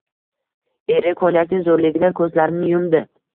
Eri konyakning zo‘rligidan ko‘zlarini yumdi.